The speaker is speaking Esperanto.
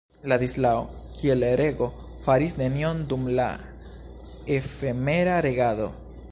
Ladislao, kiel reĝo, faris nenion dum la efemera regado.